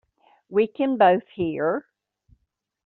We can both hear.